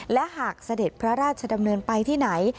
และหากเสด็จพระราชดำเนินไปที่ไหน